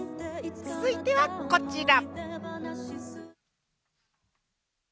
続いてはこちら。